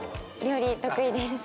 料理得意です。